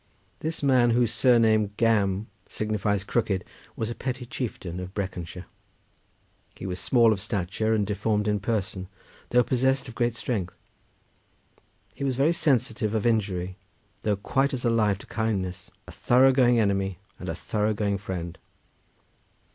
This man, whose surname Gam signifies crooked, was a petty chieftain of Breconshire. He was small of stature, and deformed in person, though possessed of great strength. He was very sensitive of injury, though quite as alive to kindness; a thorough going enemy and a thorough going friend.